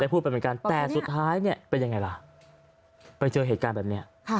พูดไปเหมือนกันแต่สุดท้ายเนี่ยเป็นยังไงล่ะไปเจอเหตุการณ์แบบนี้